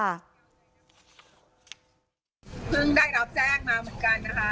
ได้รับแจ้งมาเหมือนกันนะคะ